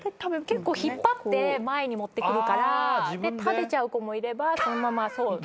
結構引っ張って前に持ってくるから食べちゃう子もいればそのまま。